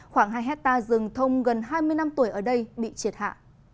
khoảng hai hectare rừng thông gần hai mươi năm tuổi ở đây bị triệt hạ